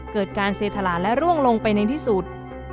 เกิดการเสถลาและร่วงลงไปในที่สุด